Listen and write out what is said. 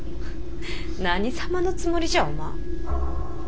何様のつもりじゃお万。